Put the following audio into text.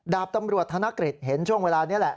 ดาบตำรวจธนกฤษเห็นช่วงเวลานี้แหละ